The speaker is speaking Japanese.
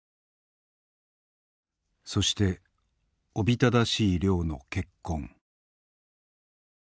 そしておびただしい量の血痕。